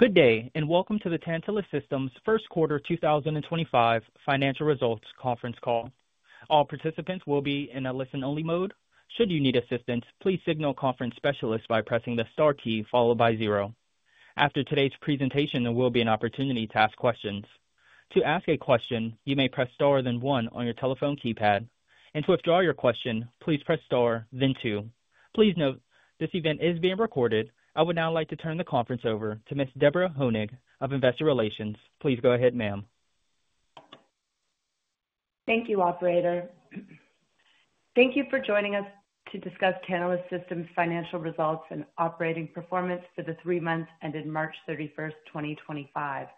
Good day, and welcome to the Tantalus Systems' first quarter 2025 financial results conference call. All participants will be in a listen-only mode. Should you need assistance, please signal conference specialists by pressing the star key followed by zero. After today's presentation, there will be an opportunity to ask questions. To ask a question, you may press star then one on your telephone keypad. To withdraw your question, please press star then two. Please note, this event is being recorded. I would now like to turn the conference over to Ms. Deborah Honig of Investor Relations. Please go ahead, ma'am. Thank you, Operator. Thank you for joining us to discuss Tantalus Systems' financial results and operating performance for the three months ended March 31, 2025.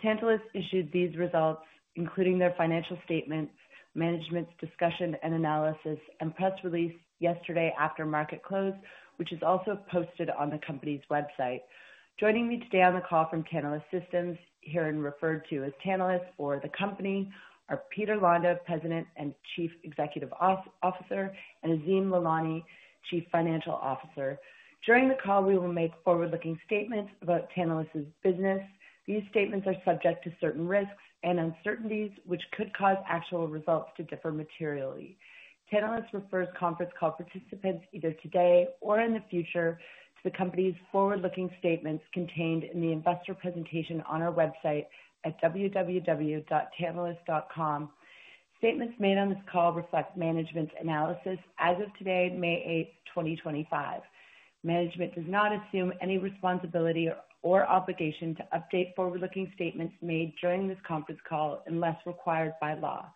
Tantalus issued these results, including their financial statements, management's discussion and analysis, and press release yesterday after market close, which is also posted on the company's website. Joining me today on the call from Tantalus Systems, here and referred to as Tantalus or the company, are Peter Londa, President and Chief Executive Officer, and Azim Lalani, Chief Financial Officer. During the call, we will make forward-looking statements about Tantalus's business. These statements are subject to certain risks and uncertainties, which could cause actual results to differ materially. Tantalus refers conference call participants, either today or in the future, to the company's forward-looking statements contained in the investor presentation on our website at www.tantalus.com. Statements made on this call reflect management's analysis as of today, May 8th, 2025. Management does not assume any responsibility or obligation to update forward-looking statements made during this conference call unless required by law.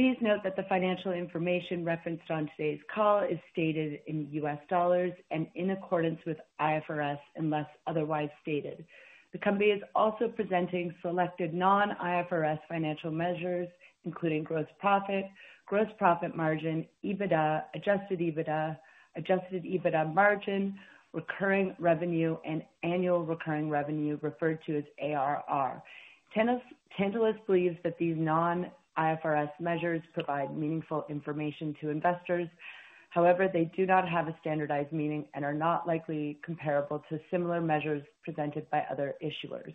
Please note that the financial information referenced on today's call is stated in U.S. dollars and in accordance with IFRS unless otherwise stated. The company is also presenting selected non-IFRS financial measures, including gross profit, gross profit margin, EBITDA, adjusted EBITDA, adjusted EBITDA margin, recurring revenue, and annual recurring revenue, referred to as ARR. Tantalus believes that these non-IFRS measures provide meaningful information to investors. However, they do not have a standardized meaning and are not likely comparable to similar measures presented by other issuers.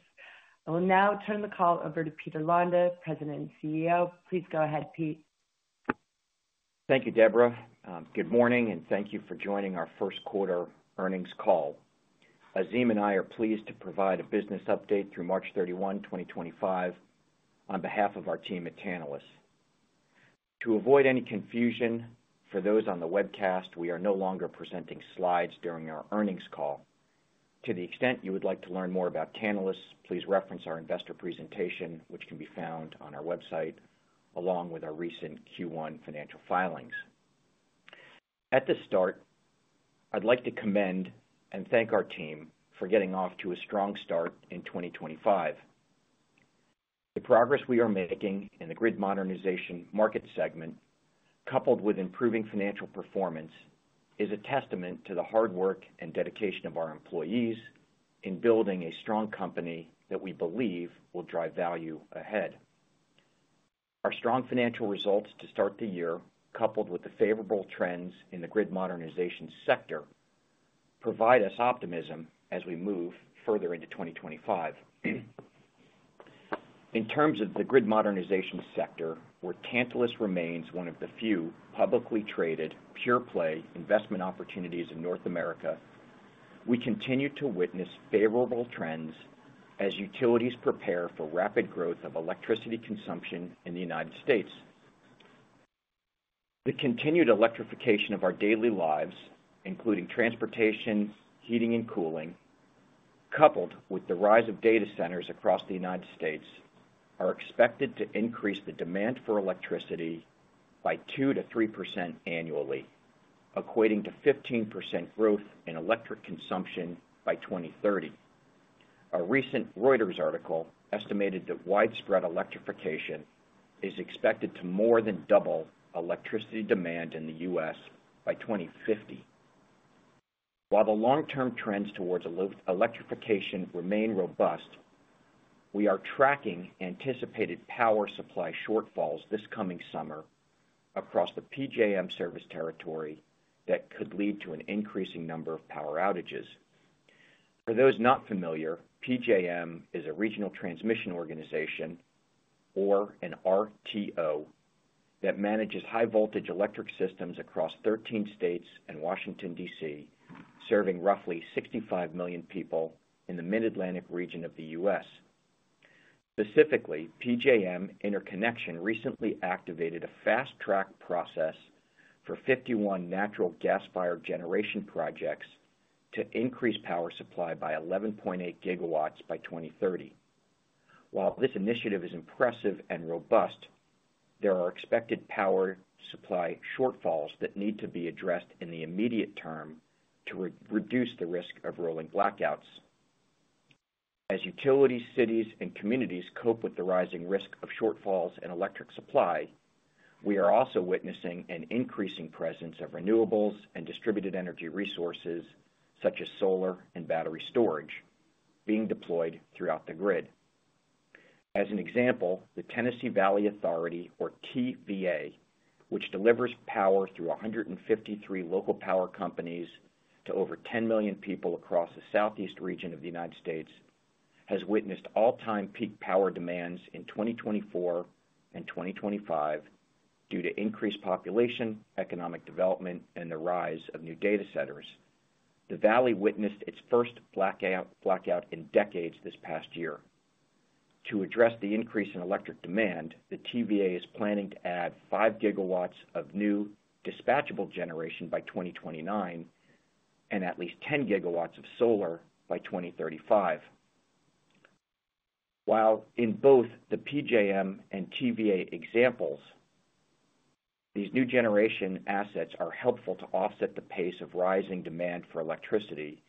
I will now turn the call over to Peter Londa, President and CEO. Please go ahead, Pete. Thank you, Deborah. Good morning, and thank you for joining our first quarter earnings call. Azim and I are pleased to provide a business update through March 31, 2025, on behalf of our team at Tantalus. To avoid any confusion for those on the webcast, we are no longer presenting slides during our earnings call. To the extent you would like to learn more about Tantalus, please reference our investor presentation, which can be found on our website, along with our recent Q1 financial filings. At the start, I'd like to commend and thank our team for getting off to a strong start in 2025. The progress we are making in the grid modernization market segment, coupled with improving financial performance, is a testament to the hard work and dedication of our employees in building a strong company that we believe will drive value ahead. Our strong financial results to start the year, coupled with the favorable trends in the grid modernization sector, provide us optimism as we move further into 2025. In terms of the grid modernization sector, where Tantalus remains one of the few publicly traded pure-play investment opportunities in North America, we continue to witness favorable trends as utilities prepare for rapid growth of electricity consumption in the U.S. The continued electrification of our daily lives, including transportation, heating, and cooling, coupled with the rise of data centers across the United States, are expected to increase the demand for electricity by 2-3% annually, equating to 15% growth in electric consumption by 2030. A recent Reuters article estimated that widespread electrification is expected to more than double electricity demand in the U.S. by 2050. While the long-term trends towards electrification remain robust, we are tracking anticipated power supply shortfalls this coming summer across the PJM service territory that could lead to an increasing number of power outages. For those not familiar, PJM is a regional transmission organization, or an RTO, that manages high-voltage electric systems across 13 states and Washington, D.C., serving roughly 65 million people in the Mid-Atlantic region of the U.S. Specifically, PJM Interconnection recently activated a fast-track process for 51 natural gas-fired generation projects to increase power supply by 11.8 gigawatts by 2030. While this initiative is impressive and robust, there are expected power supply shortfalls that need to be addressed in the immediate term to reduce the risk of rolling blackouts. As utilities, cities, and communities cope with the rising risk of shortfalls in electric supply, we are also witnessing an increasing presence of renewables and distributed energy resources such as solar and battery storage being deployed throughout the grid. As an example, the Tennessee Valley Authority, or TVA, which delivers power through 153 local power companies to over 10 million people across the Southeast region of the United States, has witnessed all-time peak power demands in 2024 and 2025 due to increased population, economic development, and the rise of new data centers. The valley witnessed its first blackout in decades this past year. To address the increase in electric demand, the TVA is planning to add 5 gigawatts of new dispatchable generation by 2029 and at least 10 gigawatts of solar by 2035. While in both the PJM and TVA examples, these new generation assets are helpful to offset the pace of rising demand for electricity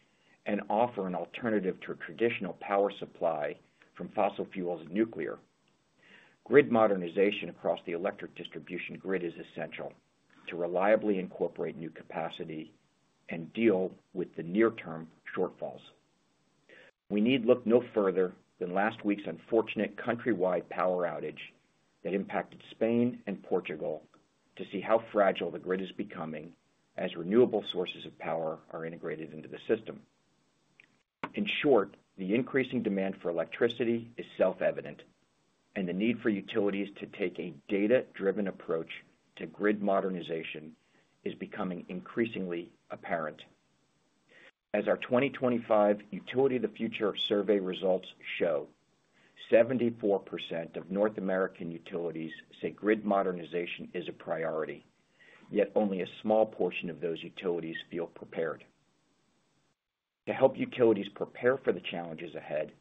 and offer an alternative to traditional power supply from fossil fuels and nuclear. Grid modernization across the electric distribution grid is essential to reliably incorporate new capacity and deal with the near-term shortfalls. We need look no further than last week's unfortunate countrywide power outage that impacted Spain and Portugal to see how fragile the grid is becoming as renewable sources of power are integrated into the system. In short, the increasing demand for electricity is self-evident, and the need for utilities to take a data-driven approach to grid modernization is becoming increasingly apparent. As our 2025 Utility of the Future survey results show, 74% of North American utilities say grid modernization is a priority, yet only a small portion of those utilities feel prepared. To help utilities prepare for the challenges ahead,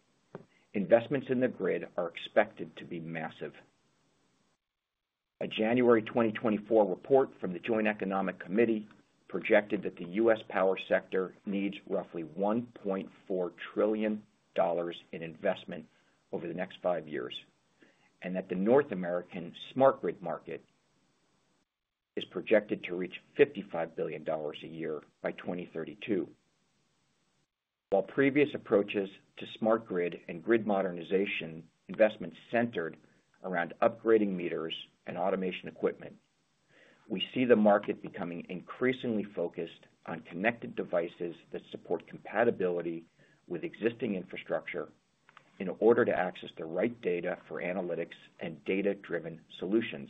investments in the grid are expected to be massive. A January 2024 report from the Joint Economic Committee projected that the U.S. power sector needs roughly $1.4 trillion in investment over the next five years and that the North American smart grid market is projected to reach $55 billion a year by 2032. While previous approaches to smart grid and grid modernization investments centered around upgrading meters and automation equipment, we see the market becoming increasingly focused on connected devices that support compatibility with existing infrastructure in order to access the right data for analytics and data-driven solutions.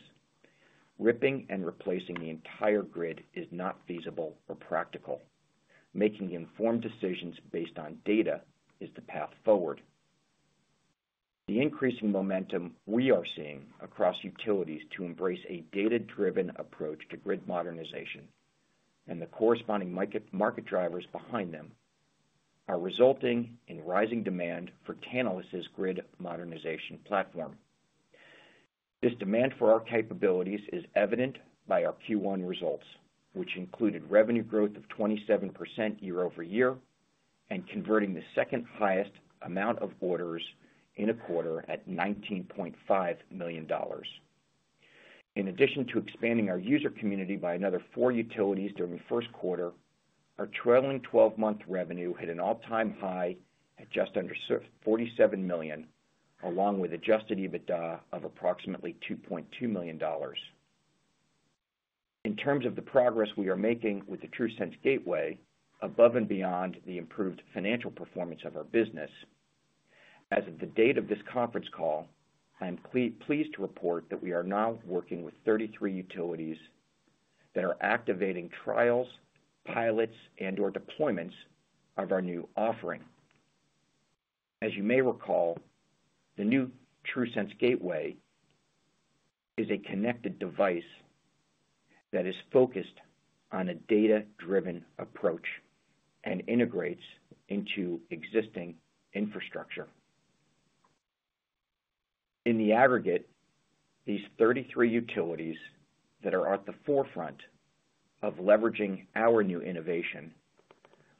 Ripping and replacing the entire grid is not feasible or practical. Making informed decisions based on data is the path forward. The increasing momentum we are seeing across utilities to embrace a data-driven approach to grid modernization and the corresponding market drivers behind them are resulting in rising demand for Tantalus's grid modernization platform. This demand for our capabilities is evident by our Q1 results, which included revenue growth of 27% year-over-year and converting the second highest amount of orders in a quarter at $19.5 million. In addition to expanding our user community by another four utilities during the first quarter, our trailing 12-month revenue hit an all-time high at just under $47 million, along with adjusted EBITDA of approximately $2.2 million. In terms of the progress we are making with the TRUSense Gateway, above and beyond the improved financial performance of our business, as of the date of this conference call, I am pleased to report that we are now working with 33 utilities that are activating trials, pilots, and/or deployments of our new offering. As you may recall, the new TRUSense Gateway is a connected device that is focused on a data-driven approach and integrates into existing infrastructure. In the aggregate, these 33 utilities that are at the forefront of leveraging our new innovation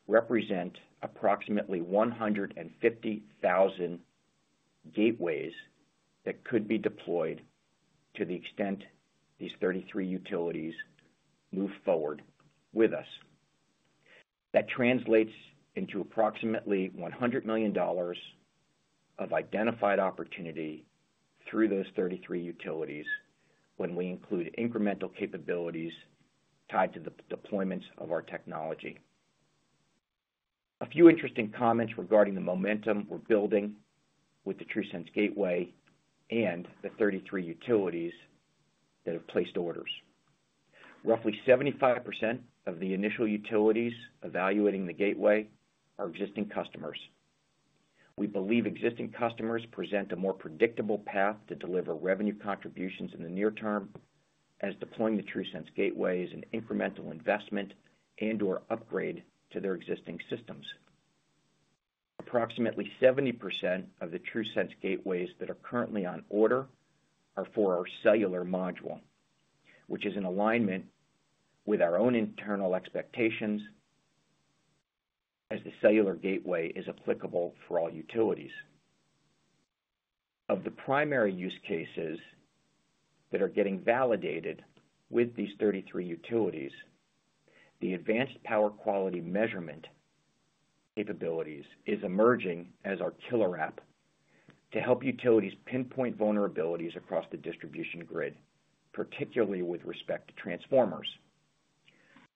represent approximately 150,000 gateways that could be deployed to the extent these 33 utilities move forward with us. That translates into approximately $100 million of identified opportunity through those 33 utilities when we include incremental capabilities tied to the deployments of our technology. A few interesting comments regarding the momentum we're building with the TRUSense Gateway and the 33 utilities that have placed orders. Roughly 75% of the initial utilities evaluating the gateway are existing customers. We believe existing customers present a more predictable path to deliver revenue contributions in the near term as deploying the TRUSense Gateway is an incremental investment and/or upgrade to their existing systems. Approximately 70% of the TRUSense Gateways that are currently on order are for our cellular module, which is in alignment with our own internal expectations as the cellular gateway is applicable for all utilities. Of the primary use cases that are getting validated with these 33 utilities, the advanced power quality measurement capabilities is emerging as our killer app to help utilities pinpoint vulnerabilities across the distribution grid, particularly with respect to transformers.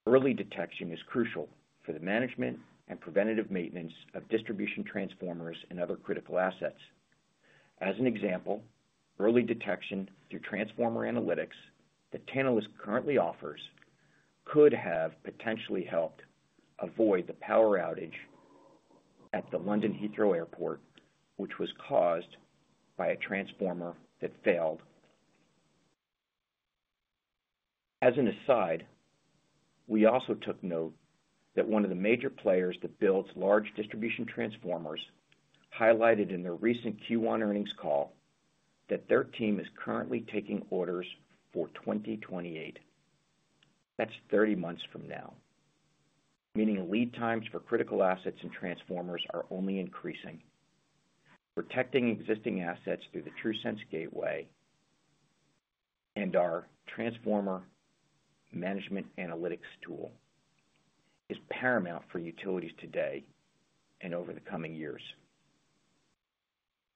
Early detection is crucial for the management and preventative maintenance of distribution transformers and other critical assets. As an example, early detection through transformer analytics that Tantalus currently offers could have potentially helped avoid the power outage at the London Heathrow Airport, which was caused by a transformer that failed. As an aside, we also took note that one of the major players that builds large distribution transformers highlighted in their recent Q1 earnings call that their team is currently taking orders for 2028. That's 30 months from now, meaning lead times for critical assets and transformers are only increasing. Protecting existing assets through the TRUSense Gateway and our transformer management analytics tool is paramount for utilities today and over the coming years.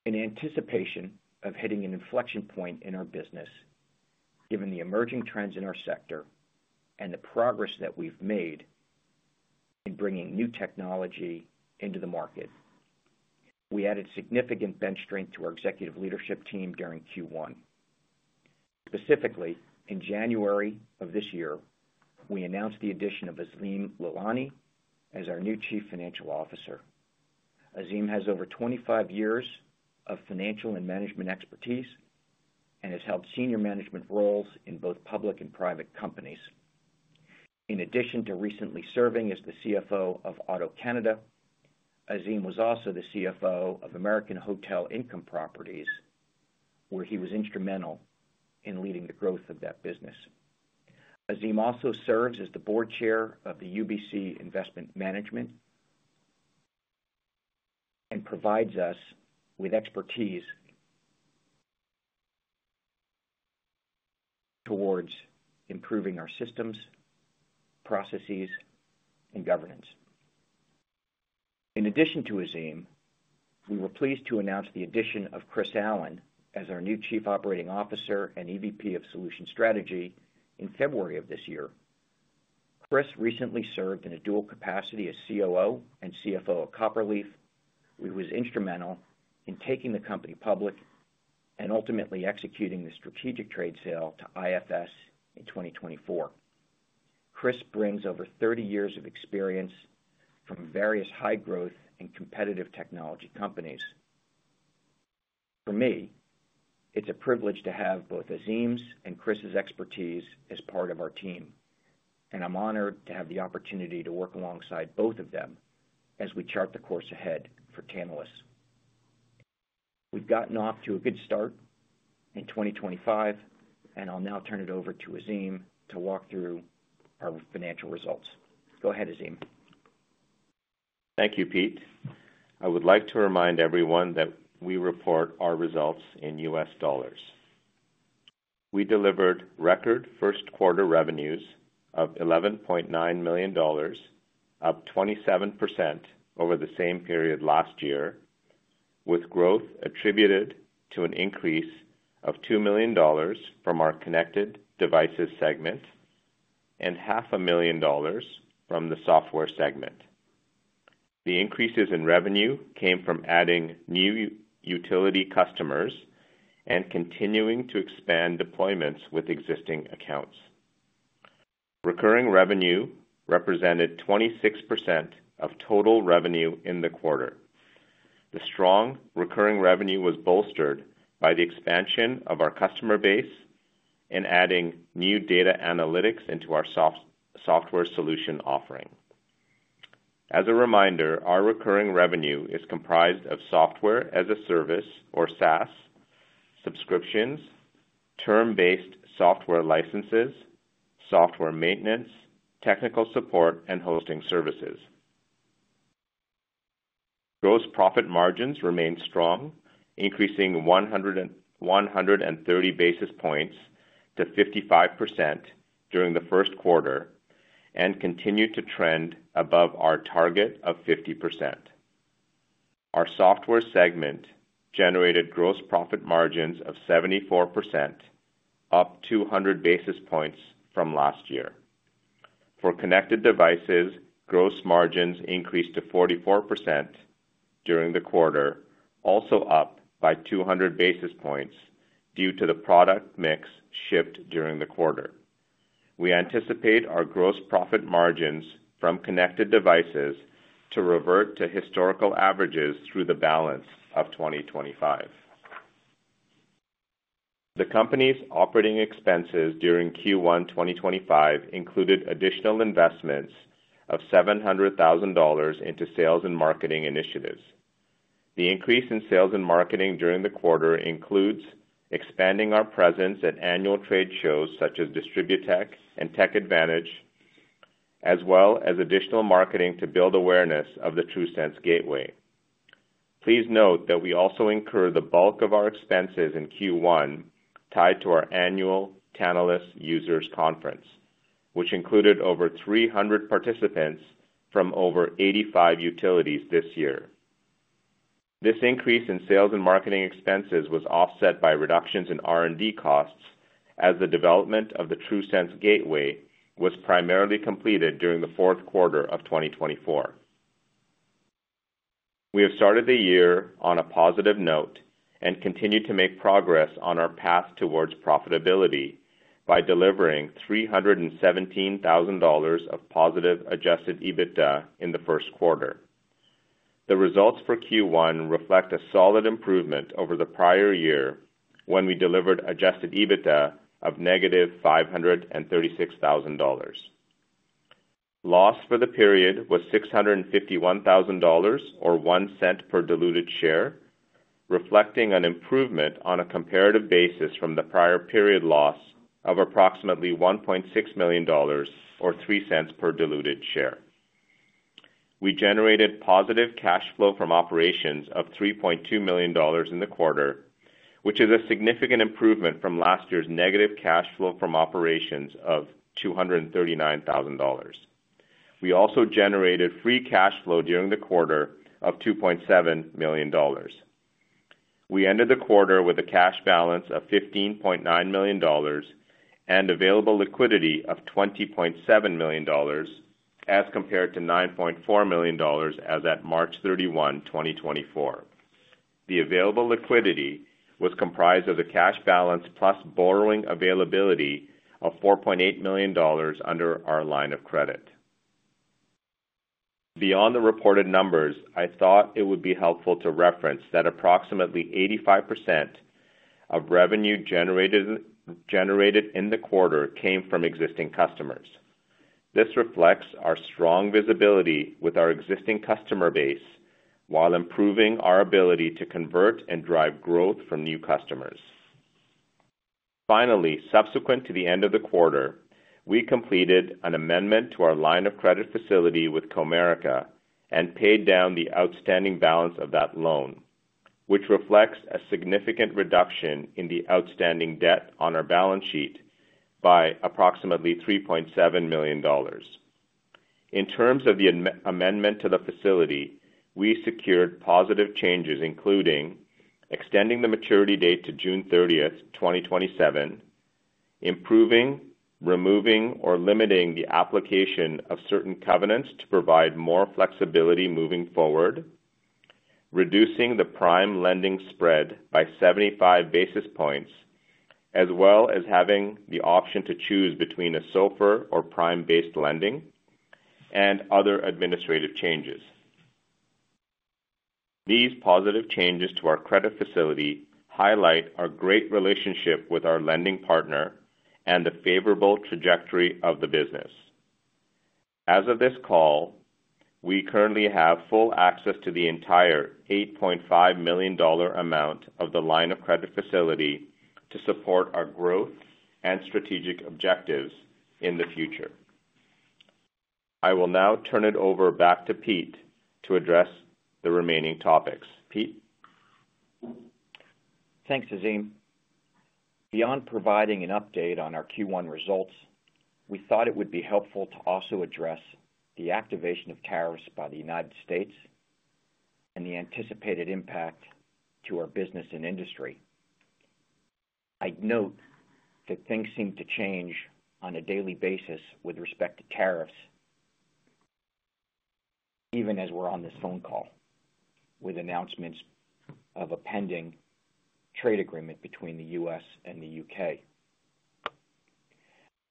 In anticipation of hitting an inflection point in our business, given the emerging trends in our sector and the progress that we've made in bringing new technology into the market, we added significant bench strength to our executive leadership team during Q1. Specifically, in January of this year, we announced the addition of Azim Lalani as our new Chief Financial Officer. Azim has over 25 years of financial and management expertise and has held senior management roles in both public and private companies. In addition to recently serving as the CFO of AutoCanada, Azim was also the CFO of American Hotel Income Properties, where he was instrumental in leading the growth of that business. Azim also serves as the board chair of the UBC Investment Management and provides us with expertise towards improving our systems, processes, and governance. In addition to Azim, we were pleased to announce the addition of Chris Allen as our new Chief Operating Officer and EVP of Solution Strategy in February of this year. Chris recently served in a dual capacity as COO and CFO of Copperleaf, where he was instrumental in taking the company public and ultimately executing the strategic trade sale to IFS in 2024. Chris brings over 30 years of experience from various high-growth and competitive technology companies. For me, it's a privilege to have both Azim's and Chris's expertise as part of our team, and I'm honored to have the opportunity to work alongside both of them as we chart the course ahead for Tantalus. We've gotten off to a good start in 2025, and I'll now turn it over to Azim to walk through our financial results. Go ahead, Azim. Thank you, Pete. I would like to remind everyone that we report our results in U.S. dollars. We delivered record first-quarter revenues of $11.9 million, up 27% over the same period last year, with growth attributed to an increase of $2 million from our connected devices segment and $500,000 from the software segment. The increases in revenue came from adding new utility customers and continuing to expand deployments with existing accounts. Recurring revenue represented 26% of total revenue in the quarter. The strong recurring revenue was bolstered by the expansion of our customer base and adding new data analytics into our software solution offering. As a reminder, our recurring revenue is comprised of software as a service or SaaS subscriptions, term-based software licenses, software maintenance, technical support, and hosting services. Gross profit margins remained strong, increasing 130 basis points to 55% during the first quarter and continued to trend above our target of 50%. Our software segment generated gross profit margins of 74%, up 200 basis points from last year. For connected devices, gross margins increased to 44% during the quarter, also up by 200 basis points due to the product mix shift during the quarter. We anticipate our gross profit margins from connected devices to revert to historical averages through the balance of 2025. The company's operating expenses during Q1 2025 included additional investments of $700,000 into sales and marketing initiatives. The increase in sales and marketing during the quarter includes expanding our presence at annual trade shows such as Distribut Tech and Tech Advantage, as well as additional marketing to build awareness of the TRUSense Gateway. Please note that we also incurred the bulk of our expenses in Q1 tied to our annual Tantalus Users Conference, which included over 300 participants from over 85 utilities this year. This increase in sales and marketing expenses was offset by reductions in R&D costs as the development of the TRUSense Gateway was primarily completed during the fourth quarter of 2024. We have started the year on a positive note and continue to make progress on our path towards profitability by delivering $317,000 of positive adjusted EBITDA in the first quarter. The results for Q1 reflect a solid improvement over the prior year when we delivered adjusted EBITDA of negative $536,000. Loss for the period was $651,000 or $0.01 per diluted share, reflecting an improvement on a comparative basis from the prior period loss of approximately $1.6 million or $0.03 per diluted share. We generated positive cash flow from operations of $3.2 million in the quarter, which is a significant improvement from last year's negative cash flow from operations of $239,000. We also generated free cash flow during the quarter of $2.7 million. We ended the quarter with a cash balance of $15.9 million and available liquidity of $20.7 million as compared to $9.4 million as at March 31, 2024. The available liquidity was comprised of the cash balance plus borrowing availability of $4.8 million under our line of credit. Beyond the reported numbers, I thought it would be helpful to reference that approximately 85% of revenue generated in the quarter came from existing customers. This reflects our strong visibility with our existing customer base while improving our ability to convert and drive growth from new customers. Finally, subsequent to the end of the quarter, we completed an amendment to our line of credit facility with Comerica and paid down the outstanding balance of that loan, which reflects a significant reduction in the outstanding debt on our balance sheet by approximately $3.7 million. In terms of the amendment to the facility, we secured positive changes including extending the maturity date to June 30, 2027, improving, removing, or limiting the application of certain covenants to provide more flexibility moving forward, reducing the prime lending spread by 75 basis points, as well as having the option to choose between a SOFR or prime-based lending, and other administrative changes. These positive changes to our credit facility highlight our great relationship with our lending partner and the favorable trajectory of the business. As of this call, we currently have full access to the entire $8.5 million amount of the line of credit facility to support our growth and strategic objectives in the future. I will now turn it over back to Pete to address the remaining topics. Pete. Thanks, Azim. Beyond providing an update on our Q1 results, we thought it would be helpful to also address the activation of tariffs by the United States and the anticipated impact to our business and industry. I note that things seem to change on a daily basis with respect to tariffs, even as we're on this phone call, with announcements of a pending trade agreement between the U.S. and the U.K.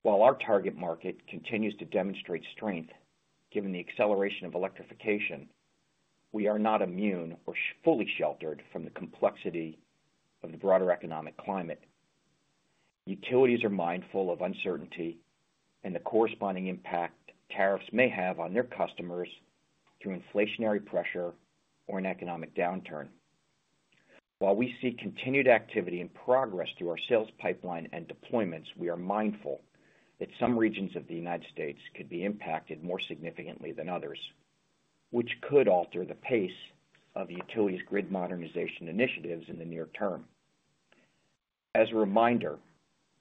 While our target market continues to demonstrate strength given the acceleration of electrification, we are not immune or fully sheltered from the complexity of the broader economic climate. Utilities are mindful of uncertainty and the corresponding impact tariffs may have on their customers through inflationary pressure or an economic downturn. While we see continued activity and progress through our sales pipeline and deployments, we are mindful that some regions of the U.S. could be impacted more significantly than others, which could alter the pace of utilities' grid modernization initiatives in the near term. As a reminder,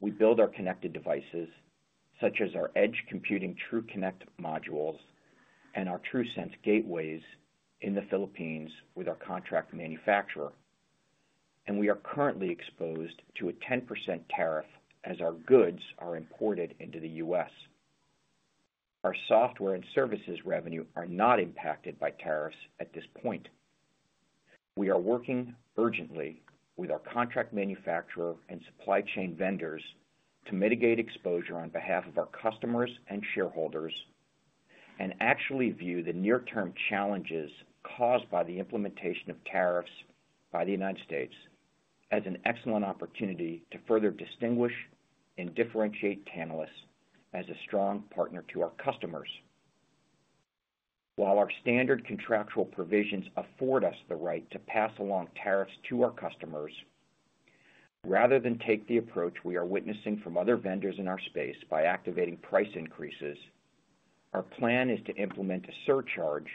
we build our connected devices, such as our edge computing TruConnect modules and our TRUSense Gateways in the Philippines with our contract manufacturer, and we are currently exposed to a 10% tariff as our goods are imported into the U.S. Our software and services revenue are not impacted by tariffs at this point. We are working urgently with our contract manufacturer and supply chain vendors to mitigate exposure on behalf of our customers and shareholders and actually view the near-term challenges caused by the implementation of tariffs by the U.S. as an excellent opportunity to further distinguish and differentiate Tantalus as a strong partner to our customers. While our standard contractual provisions afford us the right to pass along tariffs to our customers, rather than take the approach we are witnessing from other vendors in our space by activating price increases, our plan is to implement a surcharge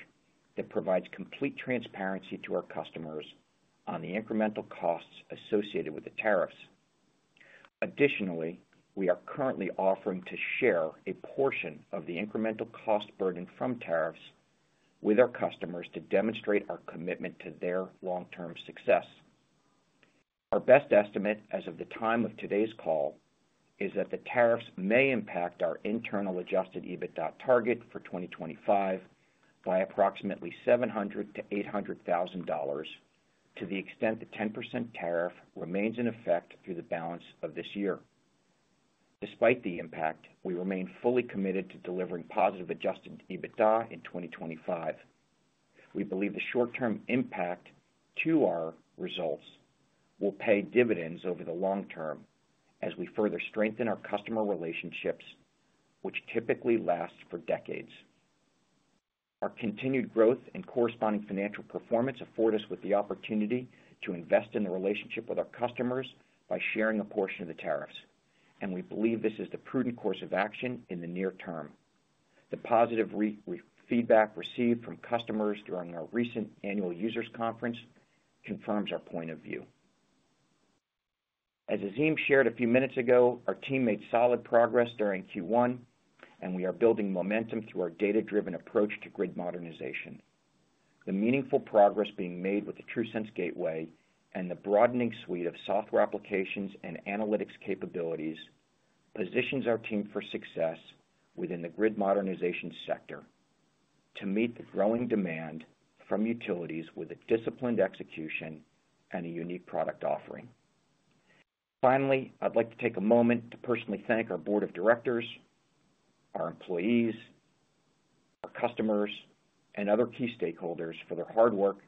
that provides complete transparency to our customers on the incremental costs associated with the tariffs. Additionally, we are currently offering to share a portion of the incremental cost burden from tariffs with our customers to demonstrate our commitment to their long-term success. Our best estimate as of the time of today's call is that the tariffs may impact our internal adjusted EBITDA target for 2025 by approximately $700,000-$800,000 to the extent the 10% tariff remains in effect through the balance of this year. Despite the impact, we remain fully committed to delivering positive adjusted EBITDA in 2025. We believe the short-term impact to our results will pay dividends over the long term as we further strengthen our customer relationships, which typically last for decades. Our continued growth and corresponding financial performance afford us with the opportunity to invest in the relationship with our customers by sharing a portion of the tariffs, and we believe this is the prudent course of action in the near term. The positive feedback received from customers during our recent annual users conference confirms our point of view. As Azim shared a few minutes ago, our team made solid progress during Q1, and we are building momentum through our data-driven approach to grid modernization. The meaningful progress being made with the TRUSense Gateway and the broadening suite of software applications and analytics capabilities positions our team for success within the grid modernization sector to meet the growing demand from utilities with a disciplined execution and a unique product offering. Finally, I'd like to take a moment to personally thank our board of directors, our employees, our customers, and other key stakeholders for their hard work,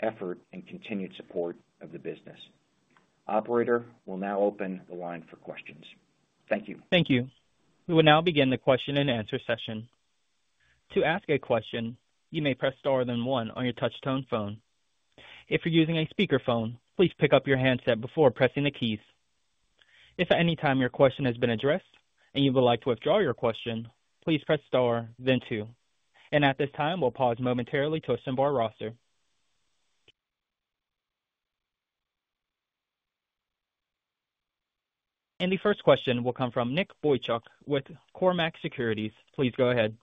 effort, and continued support of the business. Operator will now open the line for questions. Thank you. Thank you. We will now begin the question-and-answer session. To ask a question, you may press star then one on your touch-tone phone. If you're using a speakerphone, please pick up your handset before pressing the keys. If at any time your question has been addressed and you would like to withdraw your question, please press star then two. At this time, we'll pause momentarily to assemble our roster. The first question will come from Nick Boychuk with Cormark Securities. Please go ahead.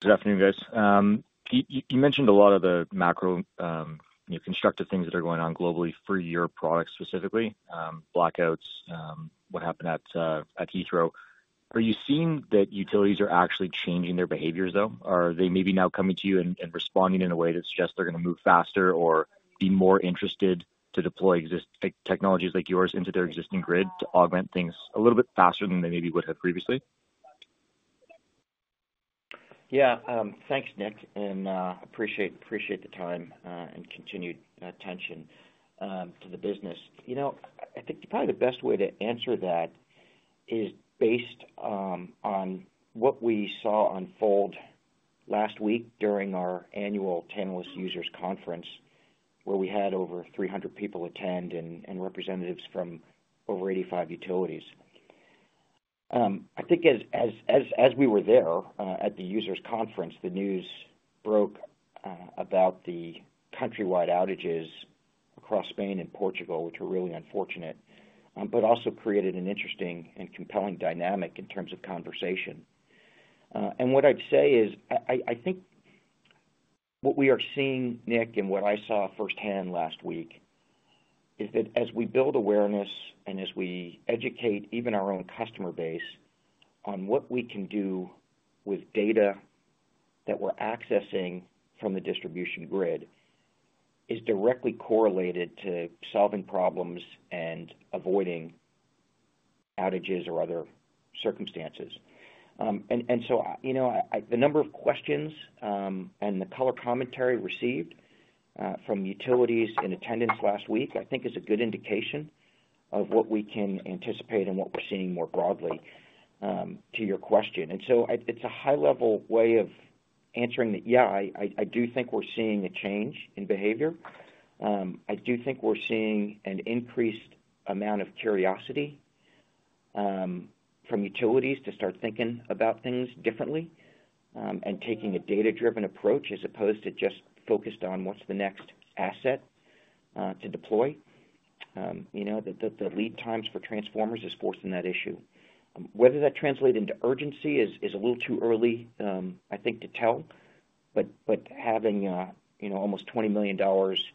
Good afternoon, guys. You mentioned a lot of the macro constructive things that are going on globally for your product specifically, blackouts, what happened at Heathrow. Are you seeing that utilities are actually changing their behaviors, though? Are they maybe now coming to you and responding in a way that suggests they're going to move faster or be more interested to deploy technologies like yours into their existing grid to augment things a little bit faster than they maybe would have previously? Yeah. Thanks, Nick, and I appreciate the time and continued attention to the business. You know, I think probably the best way to answer that is based on what we saw unfold last week during our annual Tantalus Users Conference, where we had over 300 people attend and representatives from over 85 utilities. I think as we were there at the users conference, the news broke about the countrywide outages across Spain and Portugal, which are really unfortunate, but also created an interesting and compelling dynamic in terms of conversation. What I'd say is I think what we are seeing, Nick, and what I saw firsthand last week is that as we build awareness and as we educate even our own customer base on what we can do with data that we're accessing from the distribution grid is directly correlated to solving problems and avoiding outages or other circumstances. The number of questions and the color commentary received from utilities in attendance last week, I think, is a good indication of what we can anticipate and what we're seeing more broadly to your question. It is a high-level way of answering that, yeah, I do think we're seeing a change in behavior. I do think we're seeing an increased amount of curiosity from utilities to start thinking about things differently and taking a data-driven approach as opposed to just focused on what's the next asset to deploy. The lead times for transformers is forcing that issue. Whether that translates into urgency is a little too early, I think, to tell, but having almost $20 million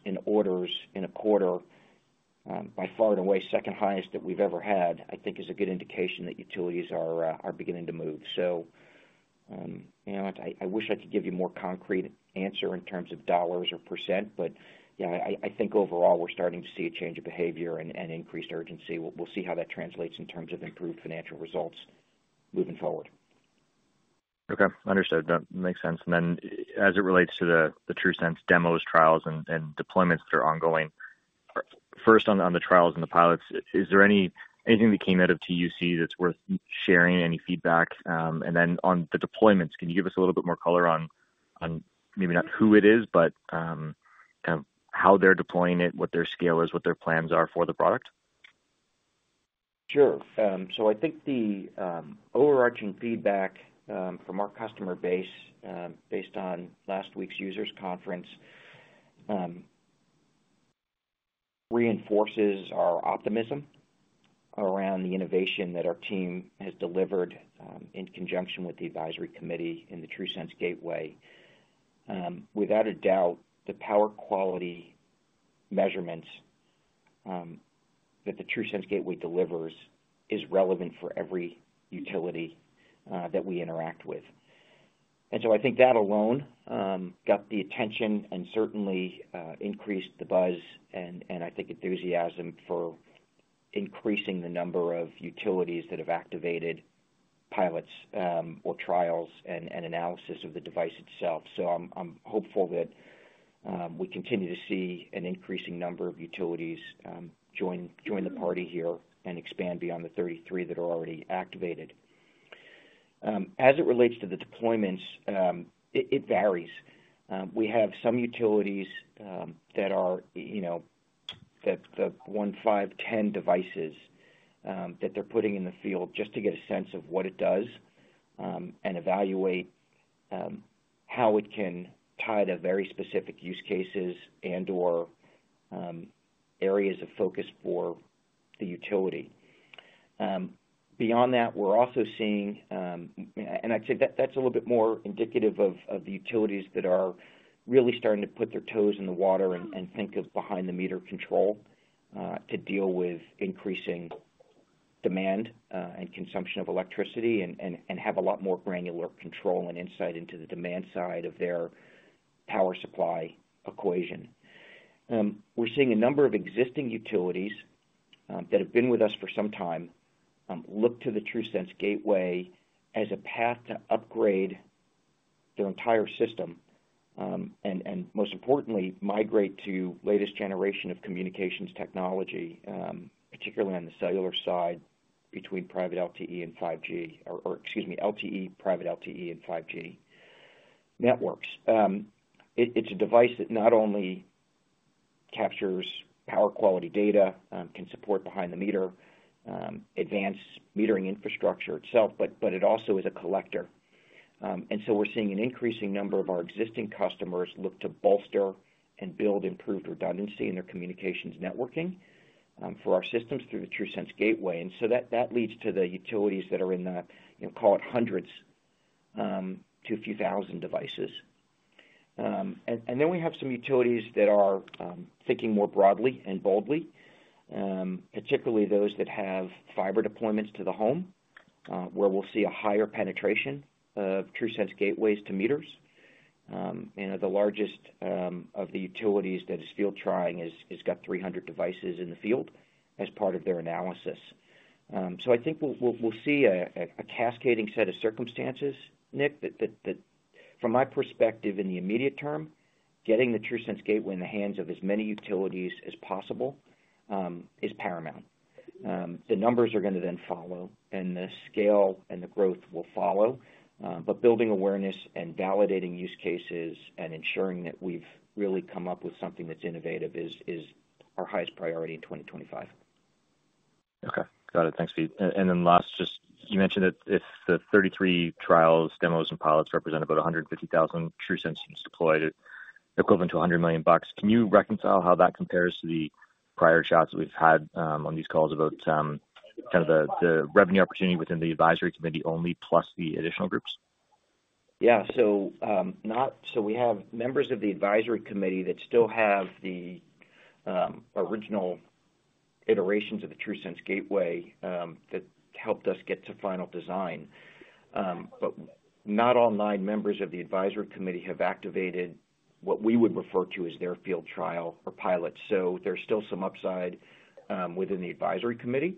in orders in a quarter, by far and away second highest that we've ever had, I think is a good indication that utilities are beginning to move. I wish I could give you a more concrete answer in terms of dollars or %, but yeah, I think overall we're starting to see a change of behavior and increased urgency. We'll see how that translates in terms of improved financial results moving forward. Okay. Understood. That makes sense. As it relates to the TRUSense demos, trials, and deployments that are ongoing, first on the trials and the pilots, is there anything that came out of TUC that's worth sharing, any feedback? On the deployments, can you give us a little bit more color on maybe not who it is, but kind of how they're deploying it, what their scale is, what their plans are for the product? Sure. I think the overarching feedback from our customer base based on last week's users conference reinforces our optimism around the innovation that our team has delivered in conjunction with the advisory committee in the TRUSense Gateway. Without a doubt, the power quality measurements that the TRUSense Gateway delivers is relevant for every utility that we interact with. I think that alone got the attention and certainly increased the buzz and I think enthusiasm for increasing the number of utilities that have activated pilots or trials and analysis of the device itself. I'm hopeful that we continue to see an increasing number of utilities join the party here and expand beyond the 33 that are already activated. As it relates to the deployments, it varies. We have some utilities that are the one, five, ten devices that they're putting in the field just to get a sense of what it does and evaluate how it can tie to very specific use cases and/or areas of focus for the utility. Beyond that, we're also seeing, and I'd say that's a little bit more indicative of the utilities that are really starting to put their toes in the water and think of behind-the-meter control to deal with increasing demand and consumption of electricity and have a lot more granular control and insight into the demand side of their power supply equation. We're seeing a number of existing utilities that have been with us for some time look to the TRUSense Gateway as a path to upgrade their entire system and, most importantly, migrate to the latest generation of communications technology, particularly on the cellular side between private LTE and 5G, or, excuse me, LTE, private LTE, and 5G networks. It's a device that not only captures power quality data, can support behind-the-meter, Advanced Metering Infrastructure itself, but it also is a collector. We're seeing an increasing number of our existing customers look to bolster and build improved redundancy in their communications networking for our systems through the TRUSense Gateway. That leads to the utilities that are in the, call it, hundreds to a few thousand devices. We have some utilities that are thinking more broadly and boldly, particularly those that have fiber deployments to the home, where we'll see a higher penetration of TRUSense Gateways to meters. The largest of the utilities that is field trying has got 300 devices in the field as part of their analysis. I think we'll see a cascading set of circumstances, Nick, that from my perspective in the immediate term, getting the TRUSense Gateway in the hands of as many utilities as possible is paramount. The numbers are going to then follow, and the scale and the growth will follow. Building awareness and validating use cases and ensuring that we've really come up with something that's innovative is our highest priority in 2025. Okay. Got it. Thanks, Pete. Last, just you mentioned that if the 33 trials, demos, and pilots represent about 150,000 TRUSense units deployed, equivalent to $100 million. Can you reconcile how that compares to the prior charts that we've had on these calls about kind of the revenue opportunity within the advisory committee only plus the additional groups? Yeah. We have members of the advisory committee that still have the original iterations of the TRUSense Gateway that helped us get to final design. Not all nine members of the advisory committee have activated what we would refer to as their field trial or pilot. There's still some upside within the advisory committee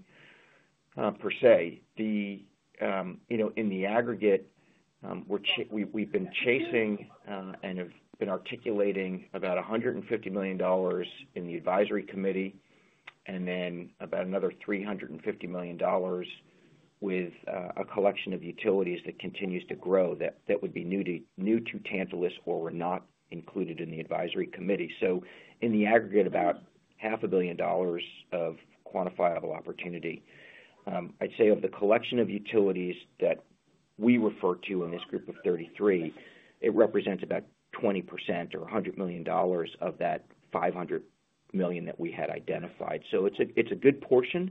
per se. In the aggregate, we've been chasing and have been articulating about $150 million in the advisory committee and then about another $350 million with a collection of utilities that continues to grow that would be new to Tantalus or were not included in the advisory committee. In the aggregate, about half a billion dollars of quantifiable opportunity. I'd say of the collection of utilities that we refer to in this group of 33, it represents about 20% or $100 million of that $500 million that we had identified. It's a good portion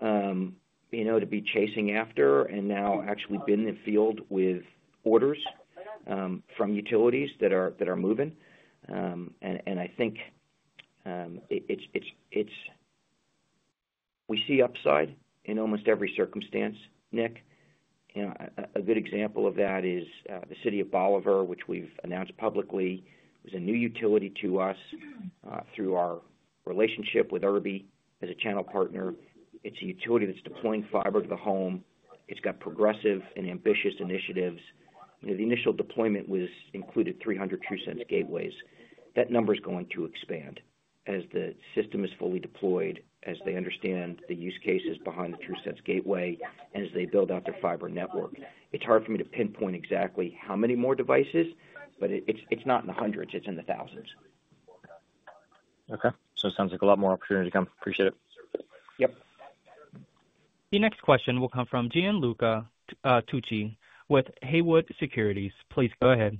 to be chasing after and now actually been in the field with orders from utilities that are moving. I think we see upside in almost every circumstance, Nick. A good example of that is the city of Bolivar, which we've announced publicly was a new utility to us through our relationship with Irby as a channel partner. It's a utility that's deploying fiber to the home. It's got progressive and ambitious initiatives. The initial deployment included 300 TRUSense Gateways. That number is going to expand as the system is fully deployed, as they understand the use cases behind the TRUSense Gateway, and as they build out their fiber network. It's hard for me to pinpoint exactly how many more devices, but it's not in the hundreds. It's in the thousands. Okay. So it sounds like a lot more opportunity to come. Appreciate it. Yep. The next question will come from Gianluca Tucci with Haywood Securities. Please go ahead.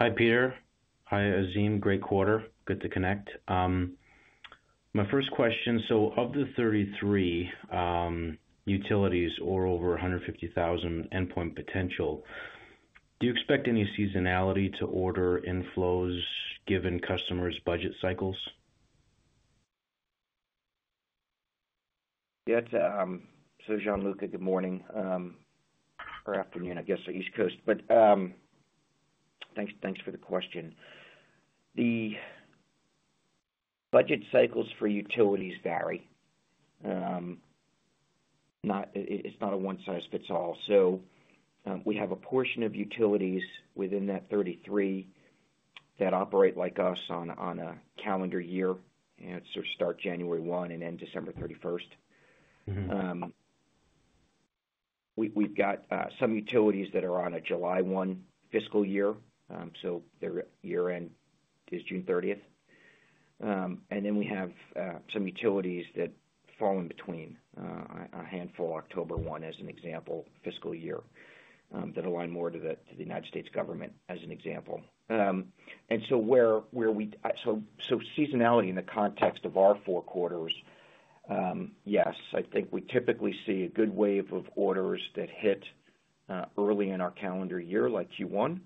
Hi, Peter. Hi, Azim. Great quarter. Good to connect. My first question, so of the 33 utilities or over 150,000 endpoint potential, do you expect any seasonality to order inflows given customers' budget cycles? Yeah. Gianluca, good morning or afternoon, I guess, or East Coast. Thanks for the question. The budget cycles for utilities vary. It is not a one-size-fits-all. We have a portion of utilities within that 33 that operate like us on a calendar year. It starts January 1 and ends December 31. We have some utilities that are on a July 1 fiscal year, so their year-end is June 30. Then we have some utilities that fall in between, a handful, October 1 as an example, fiscal year, that align more to the United States government as an example. Where we see seasonality in the context of our four quarters, yes, I think we typically see a good wave of orders that hit early in our calendar year like Q1,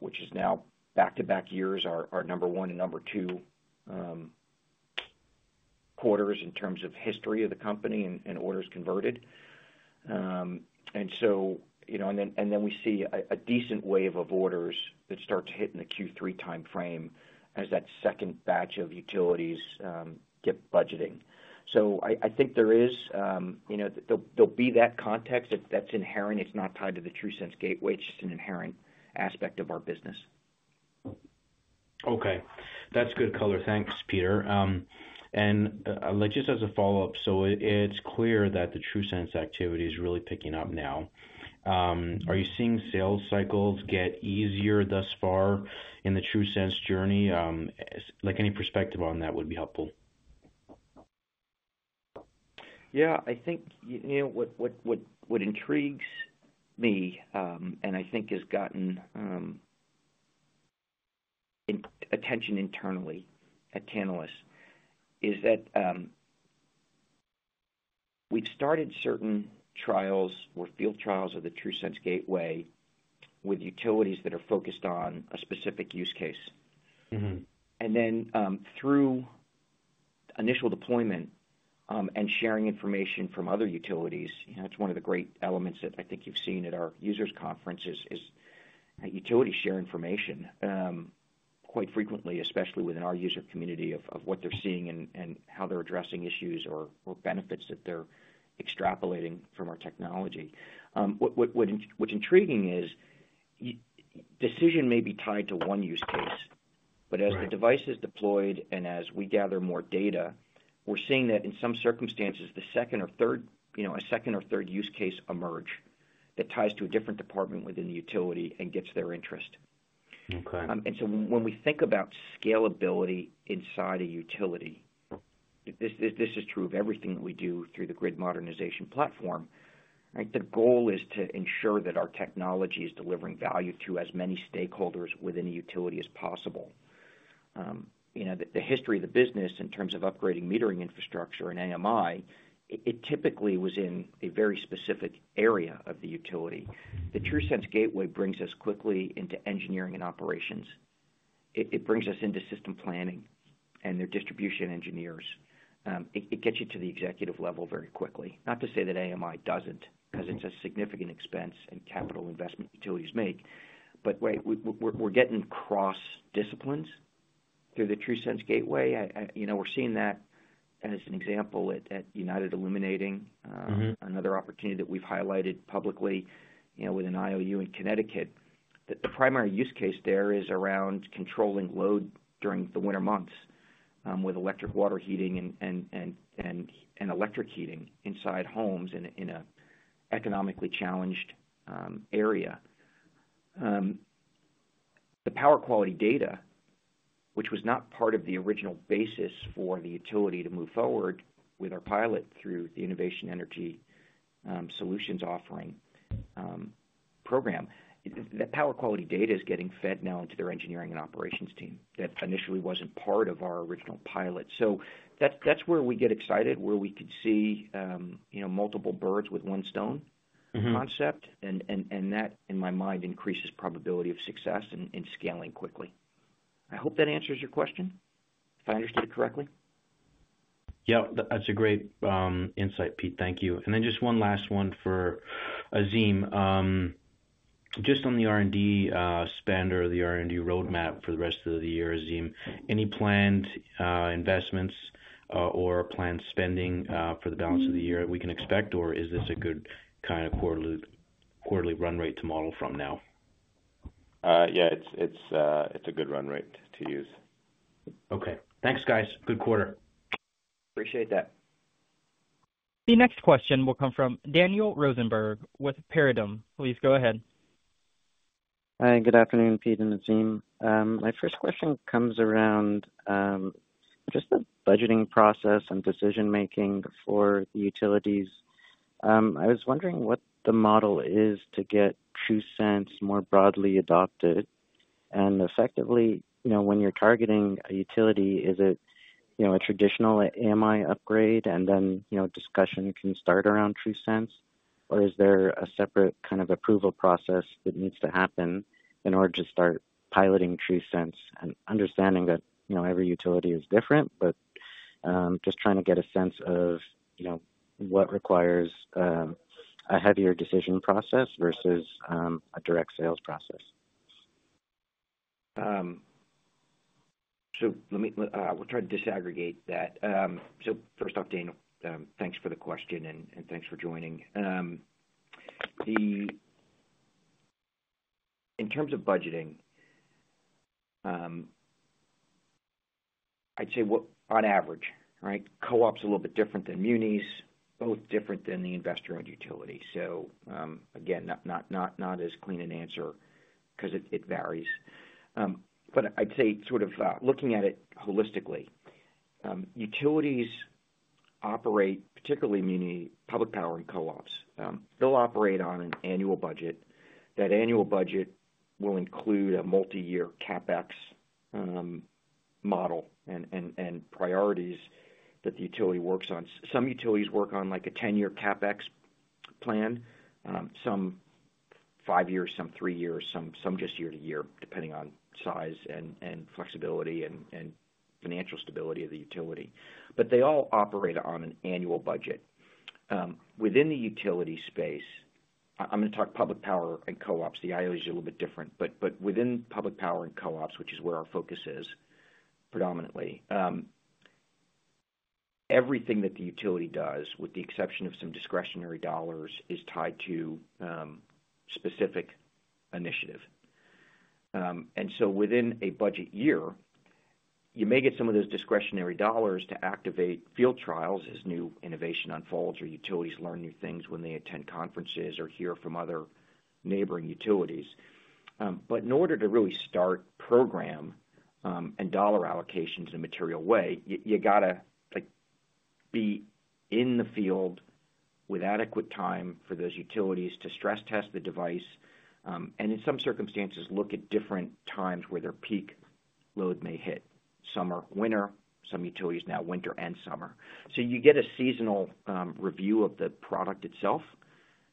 which is now back-to-back years, our number one and number two quarters in terms of history of the company and orders converted. We see a decent wave of orders that start to hit in the Q3 timeframe as that second batch of utilities get budgeting. I think there is that context that's inherent. It's not tied to the TRUSense Gateway. It's just an inherent aspect of our business. Okay. That's good color. Thanks, Peter. Just as a follow-up, it's clear that the TRUSense activity is really picking up now. Are you seeing sales cycles get easier thus far in the TRUSense journey? Any perspective on that would be helpful. Yeah. I think what intrigues me and I think has gotten attention internally at Tantalus is that we've started certain trials or field trials of the TRUSense Gateway with utilities that are focused on a specific use case. Then through initial deployment and sharing information from other utilities, it's one of the great elements that I think you've seen at our users conferences is utilities share information quite frequently, especially within our user community of what they're seeing and how they're addressing issues or benefits that they're extrapolating from our technology. What's intriguing is decision may be tied to one use case, but as the device is deployed and as we gather more data, we're seeing that in some circumstances, a second or third use case emerge that ties to a different department within the utility and gets their interest. When we think about scalability inside a utility, this is true of everything that we do through the grid modernization platform. The goal is to ensure that our technology is delivering value to as many stakeholders within a utility as possible. The history of the business in terms of upgrading metering infrastructure and AMI, it typically was in a very specific area of the utility. The TRUSense Gateway brings us quickly into engineering and operations. It brings us into system planning and their distribution engineers. It gets you to the executive level very quickly. Not to say that AMI does not because it is a significant expense and capital investment utilities make. We are getting cross-disciplines through the TRUSense Gateway. We are seeing that as an example at United Illuminating, another opportunity that we have highlighted publicly within IOU in Connecticut. The primary use case there is around controlling load during the winter months with electric water heating and electric heating inside homes in an economically challenged area. The power quality data, which was not part of the original basis for the utility to move forward with our pilot through the Innovation Energy Solutions Offering program, that power quality data is getting fed now into their engineering and operations team that initially was not part of our original pilot. That is where we get excited, where we can see multiple birds with one stone concept. That, in my mind, increases probability of success in scaling quickly. I hope that answers your question, if I understood it correctly. Yep. That is a great insight, Pete. Thank you. Just one last one for Azim. Just on the R&D spend or the R&D roadmap for the rest of the year, Azim, any planned investments or planned spending for the balance of the year that we can expect, or is this a good kind of quarterly run rate to model from now? Yeah. It's a good run rate to use. Okay. Thanks, guys. Good quarter. Appreciate that. The next question will come from Daniel Rosenberg with Paradigm. Please go ahead. Hi. Good afternoon, Pete and Azim. My first question comes around just the budgeting process and decision-making for the utilities. I was wondering what the model is to get TRUSense more broadly adopted. Effectively, when you're targeting a utility, is it a traditional AMI upgrade and then discussion can start around TRUSense, or is there a separate kind of approval process that needs to happen in order to start piloting TRUSense and understanding that every utility is different, but just trying to get a sense of what requires a heavier decision process versus a direct sales process? I'll try to disaggregate that. First off, Daniel, thanks for the question and thanks for joining. In terms of budgeting, I'd say on average, right, co-ops are a little bit different than munis, both different than the investor-owned utility. Again, not as clean an answer because it varies. I'd say sort of looking at it holistically, utilities operate, particularly public power and co-ops, they'll operate on an annual budget. That annual budget will include a multi-year CapEx model and priorities that the utility works on. Some utilities work on a 10-year CapEx plan, some 5 years, some 3 years, some just year to year, depending on size and flexibility and financial stability of the utility. They all operate on an annual budget. Within the utility space, I'm going to talk public power and co-ops. The IOU is a little bit different. Within public power and co-ops, which is where our focus is predominantly, everything that the utility does, with the exception of some discretionary dollars, is tied to specific initiative. Within a budget year, you may get some of those discretionary dollars to activate field trials as new innovation unfolds or utilities learn new things when they attend conferences or hear from other neighboring utilities. In order to really start program and dollar allocations in a material way, you got to be in the field with adequate time for those utilities to stress test the device and in some circumstances look at different times where their peak load may hit. Summer, winter, some utilities now winter and summer. You get a seasonal review of the product itself.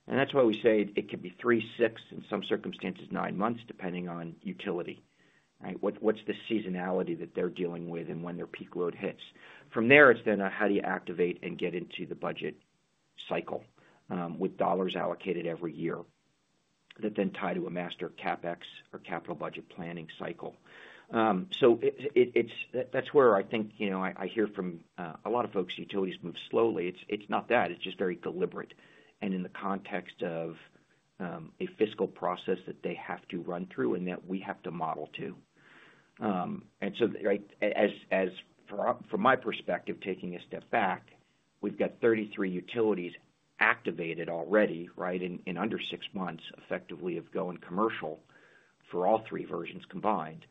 That is why we say it could be three, six, in some circumstances, nine months, depending on utility. What is the seasonality that they are dealing with and when their peak load hits? From there, it is then how do you activate and get into the budget cycle with dollars allocated every year that then tie to a master CapEx or capital budget planning cycle. That is where I think I hear from a lot of folks, utilities move slowly. It is not that. It's just very deliberate and in the context of a fiscal process that they have to run through and that we have to model to. From my perspective, taking a step back, we've got 33 utilities activated already, right, in under six months effectively of going commercial for all three versions combined.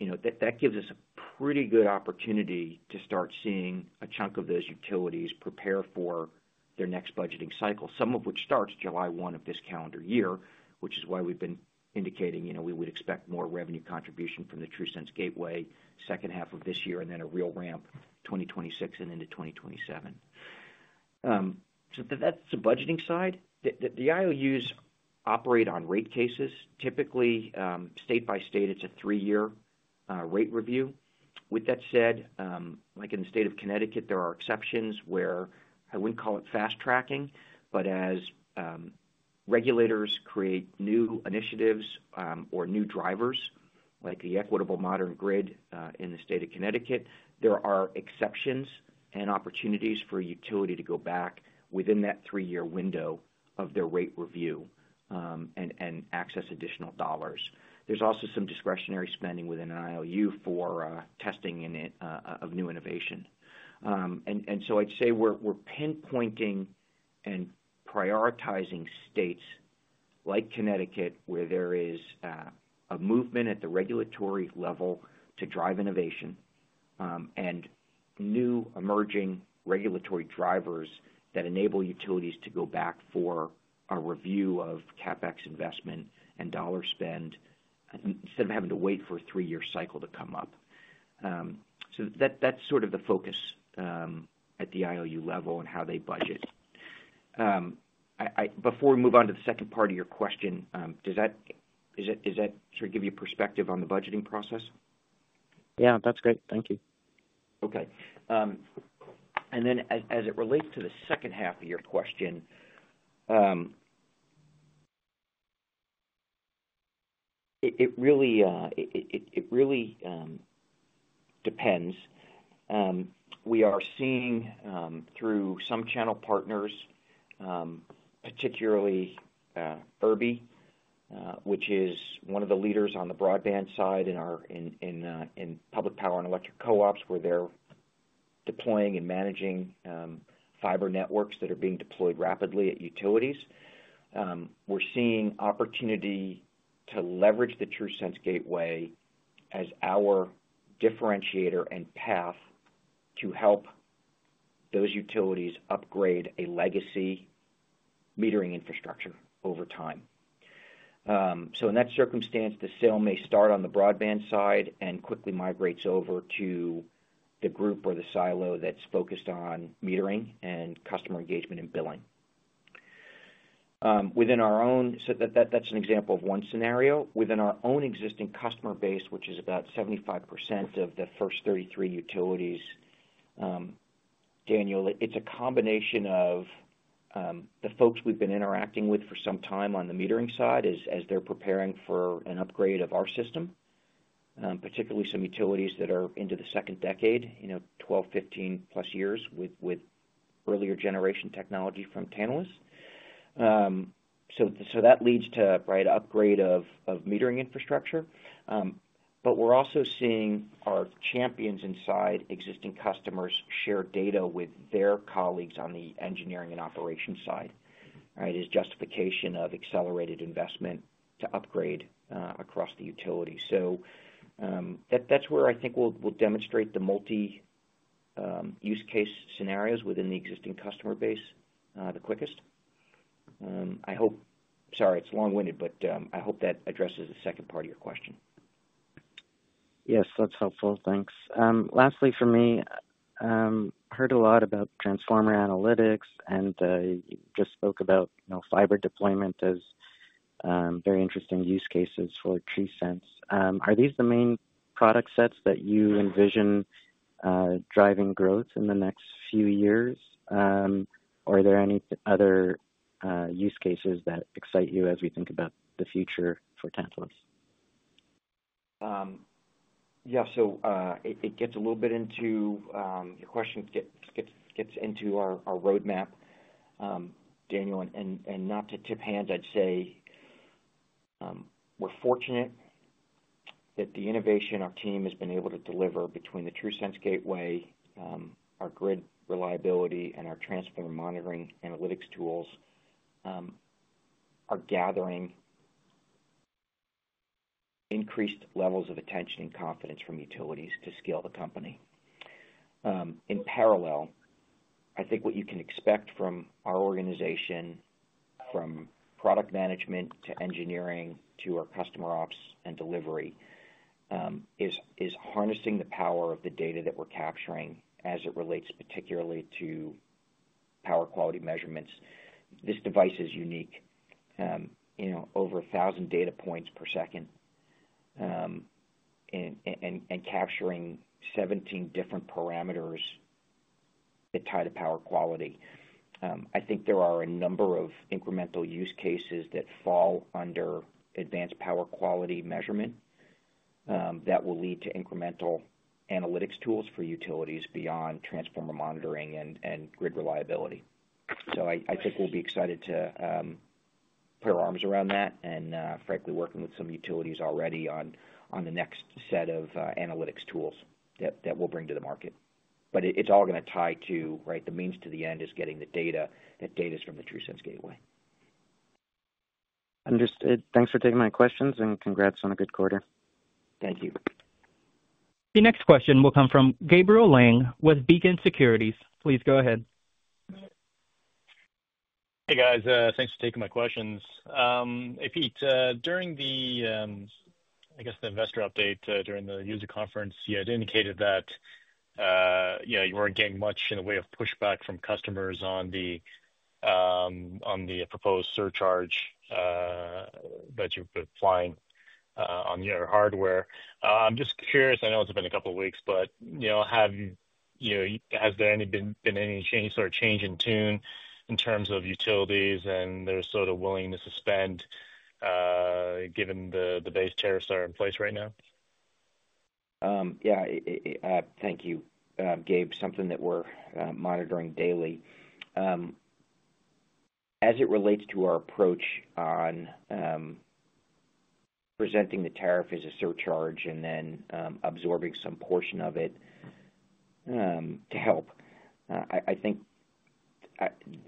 That gives us a pretty good opportunity to start seeing a chunk of those utilities prepare for their next budgeting cycle, some of which starts July 1 of this calendar year, which is why we've been indicating we would expect more revenue contribution from the TRUSense Gateway second half of this year and then a real ramp 2026 and into 2027. That's the budgeting side. The IOUs operate on rate cases. Typically, state by state, it's a three-year rate review. With that said, like in the state of Connecticut, there are exceptions where I wouldn't call it fast tracking, but as regulators create new initiatives or new drivers, like the equitable modern grid in the state of Connecticut, there are exceptions and opportunities for a utility to go back within that three-year window of their rate review and access additional dollars. There's also some discretionary spending within an IOU for testing of new innovation. I'd say we're pinpointing and prioritizing states like Connecticut where there is a movement at the regulatory level to drive innovation and new emerging regulatory drivers that enable utilities to go back for a review of CapEx investment and dollar spend instead of having to wait for a three-year cycle to come up. That's sort of the focus at the IOU level and how they budget. Before we move on to the second part of your question, does that sort of give you perspective on the budgeting process? Yeah. That's great. Thank you. Okay. As it relates to the second half of your question, it really depends. We are seeing through some channel partners, particularly Irby, which is one of the leaders on the broadband side in public power and electric co-ops where they're deploying and managing fiber networks that are being deployed rapidly at utilities. We're seeing opportunity to leverage the TRUSense Gateway as our differentiator and path to help those utilities upgrade a legacy metering infrastructure over time. In that circumstance, the sale may start on the broadband side and quickly migrates over to the group or the silo that's focused on metering and customer engagement and billing. That's an example of one scenario. Within our own existing customer base, which is about 75% of the first 33 utilities, Daniel, it's a combination of the folks we've been interacting with for some time on the metering side as they're preparing for an upgrade of our system, particularly some utilities that are into the second decade, 12, 15-plus years with earlier generation technology from Tantalus. That leads to an upgrade of metering infrastructure. We're also seeing our champions inside existing customers share data with their colleagues on the engineering and operations side, right, as justification of accelerated investment to upgrade across the utility. That's where I think we'll demonstrate the multi-use case scenarios within the existing customer base the quickest. Sorry, it's long-winded, but I hope that addresses the second part of your question. Yes. That's helpful. Thanks. Lastly, for me, I heard a lot about transformer analytics and just spoke about fiber deployment as very interesting use cases for TRUSense. Are these the main product sets that you envision driving growth in the next few years, or are there any other use cases that excite you as we think about the future for Tantalus? Yeah. It gets a little bit into your questions, gets into our roadmap, Daniel. Not to tip hands, I'd say we're fortunate that the innovation our team has been able to deliver between the TRUSense Gateway, our grid reliability, and our transformer monitoring analytics tools are gathering increased levels of attention and confidence from utilities to scale the company. In parallel, I think what you can expect from our organization, from product management to engineering to our customer ops and delivery, is harnessing the power of the data that we're capturing as it relates particularly to power quality measurements. This device is unique. Over 1,000 data points per second and capturing 17 different parameters that tie to power quality. I think there are a number of incremental use cases that fall under advanced power quality measurement that will lead to incremental analytics tools for utilities beyond transformer monitoring and grid reliability. I think we'll be excited to put our arms around that and, frankly, working with some utilities already on the next set of analytics tools that we'll bring to the market. It's all going to tie to, right, the means to the end is getting the data. That data is from the TRUSense Gateway. Understood. Thanks for taking my questions and congrats on a good quarter. Thank you. The next question will come from Gabriel Leung with Beacon Securities. Please go ahead. Hey, guys. Thanks for taking my questions. Hey, Pete. During the, I guess, the investor update during the user conference, you had indicated that you were not getting much in the way of pushback from customers on the proposed surcharge that you have been applying on your hardware. I am just curious. I know it has been a couple of weeks, but has there been any sort of change in tune in terms of utilities and their sort of willingness to spend given the base tariffs that are in place right now? Yeah. Thank you, Gabe, something that we are monitoring daily. As it relates to our approach on presenting the tariff as a surcharge and then absorbing some portion of it to help, I think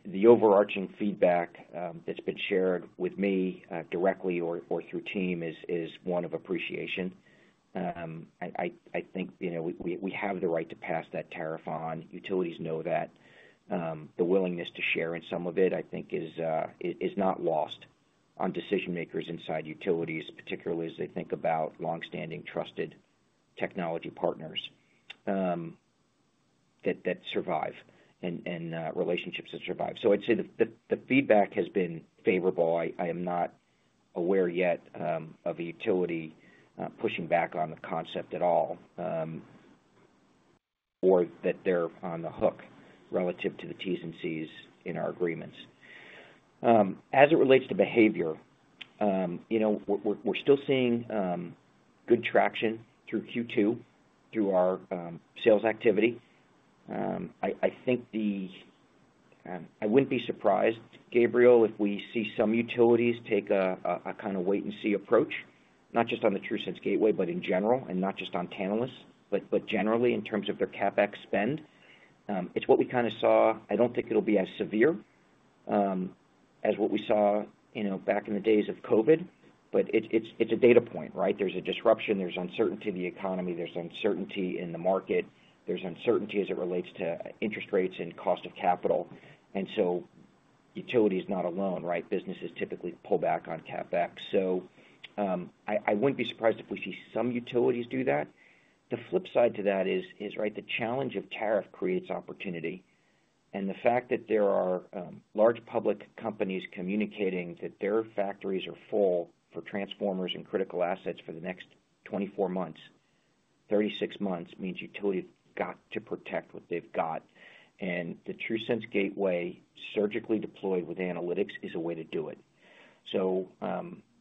the overarching feedback that's been shared with me directly or through team is one of appreciation. I think we have the right to pass that tariff on. Utilities know that. The willingness to share in some of it, I think, is not lost on decision-makers inside utilities, particularly as they think about longstanding trusted technology partners that survive and relationships that survive. I'd say the feedback has been favorable. I am not aware yet of a utility pushing back on the concept at all or that they're on the hook relative to the Ts and Cs in our agreements. As it relates to behavior, we're still seeing good traction through Q2 through our sales activity. I think the I wouldn't be surprised, Gabriel, if we see some utilities take a kind of wait-and-see approach, not just on the TRUSense Gateway, but in general, and not just on Tantalus, but generally in terms of their CapEx spend. It's what we kind of saw. I don't think it'll be as severe as what we saw back in the days of COVID, but it's a data point, right? There's a disruption. There's uncertainty in the economy. There's uncertainty in the market. There's uncertainty as it relates to interest rates and cost of capital. Utility is not alone, right? Businesses typically pull back on CapEx. I wouldn't be surprised if we see some utilities do that. The flip side to that is, right, the challenge of tariff creates opportunity. The fact that there are large public companies communicating that their factories are full for transformers and critical assets for the next 24 months, 36 months means utility got to protect what they've got. The TRUSense Gateway surgically deployed with analytics is a way to do it. I do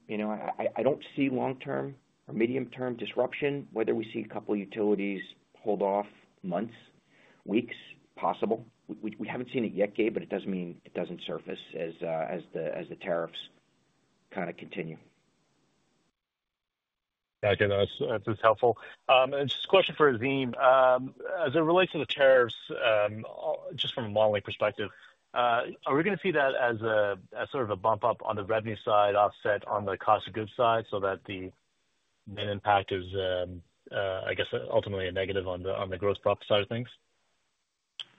not see long-term or medium-term disruption, whether we see a couple of utilities hold off months, weeks, possible. We have not seen it yet, Gabe, but it does not mean it does not surface as the tariffs kind of continue. Yeah. Again, that is helpful. Just a question for Azim. As it relates to the tariffs, just from a modeling perspective, are we going to see that as sort of a bump up on the revenue side offset on the cost of goods side so that the main impact is, I guess, ultimately a negative on the gross profit side of things?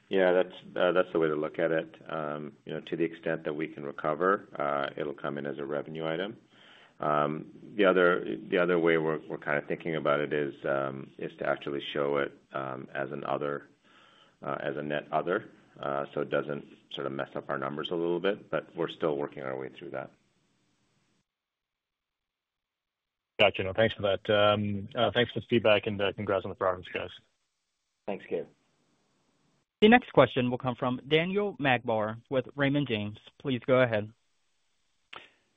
Yeah. That's the way to look at it. To the extent that we can recover, it'll come in as a revenue item. The other way we're kind of thinking about it is to actually show it as a net other so it doesn't sort of mess up our numbers a little bit, but we're still working our way through that. Gotcha. Thanks for that. Thanks for the feedback and congrats on the progress, guys. Thanks, Gabe. The next question will come from Daniel Magder with Raymond James. Please go ahead.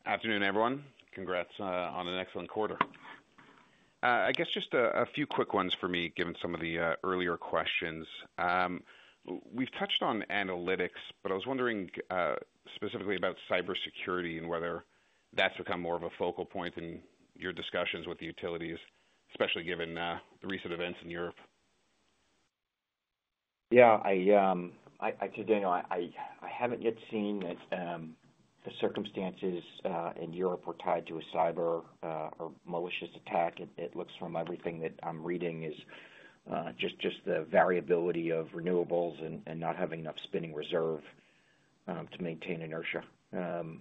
Afternoon, everyone. Congrats on an excellent quarter. I guess just a few quick ones for me given some of the earlier questions. We've touched on analytics, but I was wondering specifically about cybersecurity and whether that's become more of a focal point in your discussions with the utilities, especially given the recent events in Europe. Yeah. Daniel, I haven't yet seen that the circumstances in Europe were tied to a cyber or malicious attack. It looks from everything that I'm reading is just the variability of renewables and not having enough spinning reserve to maintain inertia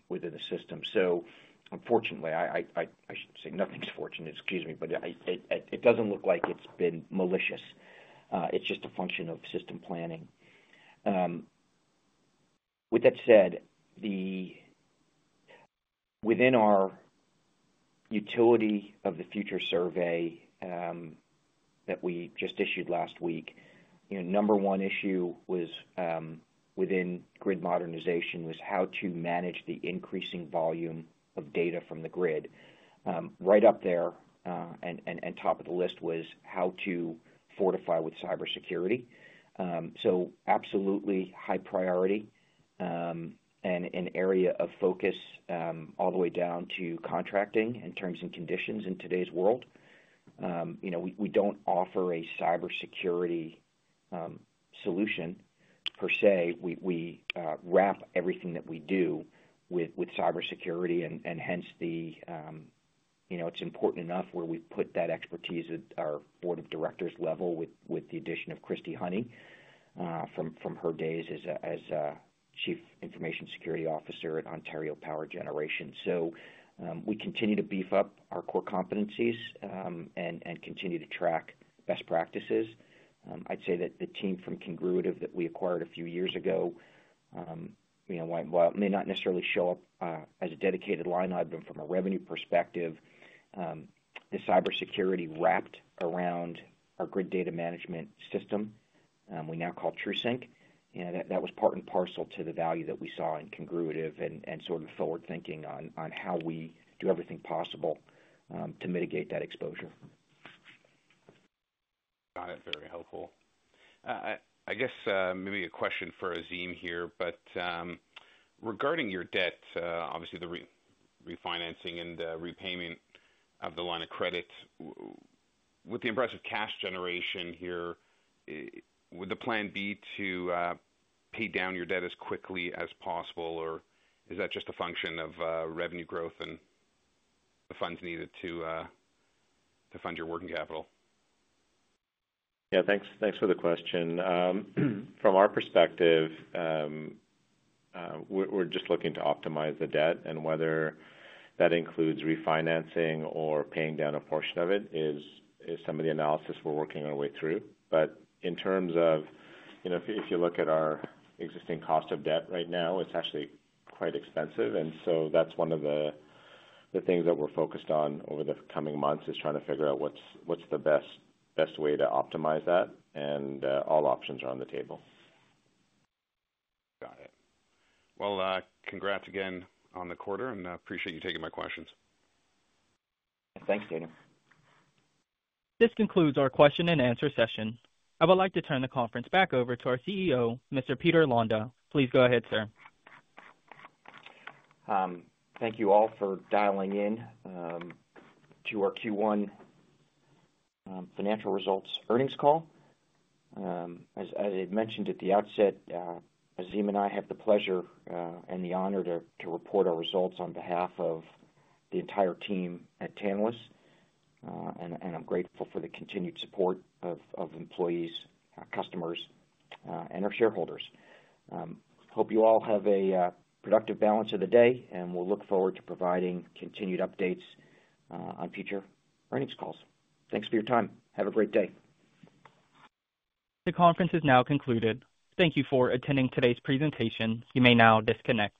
within the system. Unfortunately, I should say nothing's fortunate. Excuse me. It doesn't look like it's been malicious. It's just a function of system planning. With that said, within our utility of the future survey that we just issued last week, number one issue within grid modernization was how to manage the increasing volume of data from the grid. Right up there and top of the list was how to fortify with cybersecurity. Absolutely high priority and an area of focus all the way down to contracting and terms and conditions in today's world. We don't offer a cybersecurity solution per se. We wrap everything that we do with cybersecurity and hence it's important enough where we've put that expertise at our Board of Directors level with the addition of Christy Honey from her days as Chief Information Security Officer at Ontario Power Generation. We continue to beef up our core competencies and continue to track best practices. I'd say that the team from Congruitive that we acquired a few years ago, while it may not necessarily show up as a dedicated line item from a revenue perspective, the cybersecurity wrapped around our grid data management system we now call TRUSync. That was part and parcel to the value that we saw in Congruitive and sort of forward-thinking on how we do everything possible to mitigate that exposure. Got it. Very helpful. I guess maybe a question for Azim here, but regarding your debt, obviously the refinancing and repayment of the line of credit, with the impressive cash generation here, would the plan be to pay down your debt as quickly as possible, or is that just a function of revenue growth and the funds needed to fund your working capital? Yeah. Thanks for the question. From our perspective, we're just looking to optimize the debt, and whether that includes refinancing or paying down a portion of it is some of the analysis we're working our way through. In terms of if you look at our existing cost of debt right now, it's actually quite expensive. That is one of the things that we're focused on over the coming months, trying to figure out what's the best way to optimize that, and all options are on the table. Got it. Congrats again on the quarter, and I appreciate you taking my questions. Thanks, Daniel. This concludes our question-and-answer session. I would like to turn the conference back over to our CEO, Mr. Peter Londa. Please go ahead, sir. Thank you all for dialing in to our Q1 financial results earnings call. As I mentioned at the outset, Azim and I have the pleasure and the honor to report our results on behalf of the entire team at Tantalus, and I'm grateful for the continued support of employees, customers, and our shareholders. Hope you all have a productive balance of the day, and we'll look forward to providing continued updates on future earnings calls. Thanks for your time. Have a great day. The conference is now concluded. Thank you for attending today's presentation. You may now disconnect.